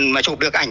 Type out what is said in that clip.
mà chụp được ảnh